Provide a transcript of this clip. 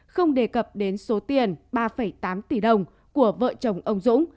không đề cập đến số tiền ba tám tỷ đồng của vợ chồng ông dũng